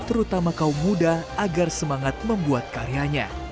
terutama kaum muda agar semangat membuat karyanya